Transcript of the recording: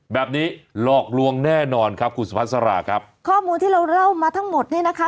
แบบนี้หลอกลวงแน่นอนครับคุณสุพัสราครับข้อมูลที่เราเล่ามาทั้งหมดเนี่ยนะคะ